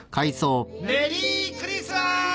メリークリスマス！